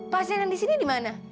pasirinan di sini di mana